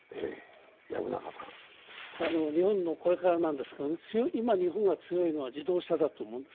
日本のこれからですが、今、日本が強いのは自動車だと思うんです。